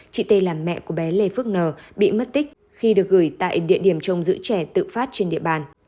chị tê là mẹ của bé lê phước n bị mất tích khi được gửi tại địa điểm trông giữ trẻ tự phát trên địa bàn